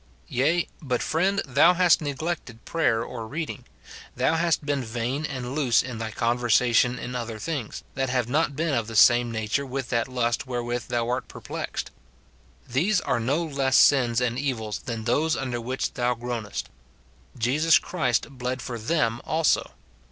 Yea ; but, friend, thou hast neglected prayer or reading ; thou hast been vain and loose in thy conversation in other things, that have not been of the same nature with that lust wherewith thou art perplexed. These are no less sins and evils than those under which thou groanest. Jesus Christ bled for them also.